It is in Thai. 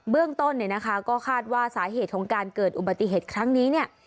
เรื่องต้นเนี่ยนะคะก็คาดว่าสาเหตุของการเกิดอุบัติเหตุครั้งนี้เนี่ย